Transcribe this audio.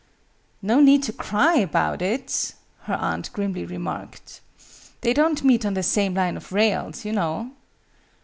"No need to cry about it!" her aunt grimly remarked. "They don't meet on the same line of rails, you know.